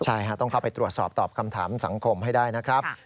ใช่ต้องเข้าไปตรวจสอบตอบคำถามสังคมให้ได้นะครับ